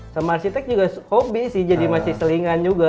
sama arsitek juga hobi sih jadi masih selingan juga